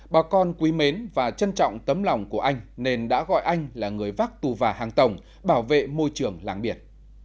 bà con quý mến và trân trọng tấm lòng của anh nên đã gọi anh là người vác tù và hàng tổng bảo vệ môi trường làng biển